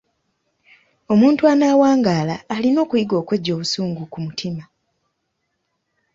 Omuntu anaawangaala alina okuyiga okweggya obusungu ku mutima.